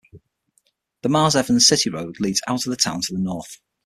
The Mars-Evans City Road leads out of town to the north.